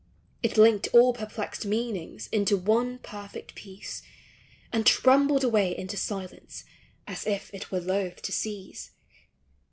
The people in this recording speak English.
It linked all perplexed meanings Into one perfect peace, And trembled away into silence, As if it were loath to cease.